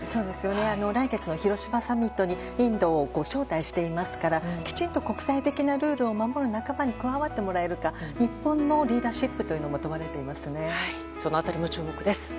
来月の広島サミットにインドを招待していますからきちんと国際的なルールを守る仲間に加わってもらえるか日本のリーダーシップもその辺りも注目です。